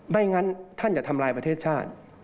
ไม่งั้นท่านจะทำลายประเทศชาติ